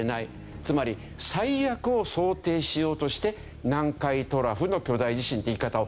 つまり最悪を想定しようとして南海トラフの巨大地震っていう言い方をするようになったんです。